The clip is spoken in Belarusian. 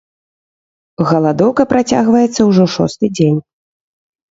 Галадоўка працягваецца ўжо шосты дзень.